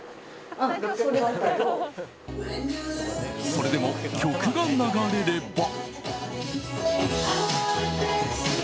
それでも曲が流れれば。